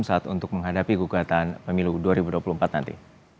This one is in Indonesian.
saat untuk menghadapi gugatan pemilu dua ribu dua puluh empat nanti